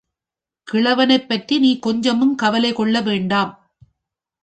கிழவனைப் பற்றி நீ கொஞ்சமும் கவலைகொள்ள வேண்டாம்.